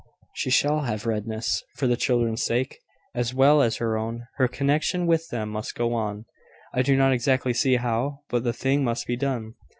"She shall have redress. For the children's sake, as well as her own, her connection with them must go on. I do not exactly see how; but the thing must be done.